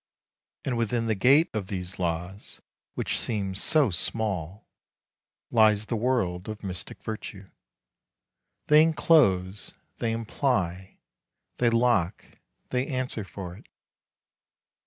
And within the gate of these laws which seem so small, lies the world of mystic virtue. They enclose, they imply, they lock, they answer for it.